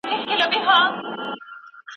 جنګونه يوازې وراني او بدبختي رامنځته کوي.